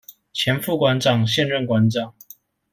前副館長、現任館長